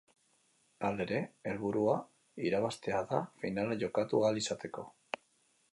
Halere, helburua irabaztea da finala jokatu ahal izateko.